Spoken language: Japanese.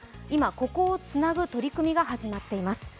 今、ここをつなぐ取り組みが始まっています。